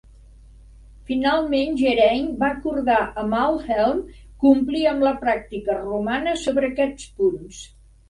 Finalment, Geraint va acordar amb Aldhelm complir amb la pràctica romana sobre aquests punts.